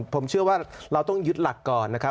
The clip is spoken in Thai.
ผมเชื่อว่าเราต้องยึดหลักก่อนนะครับ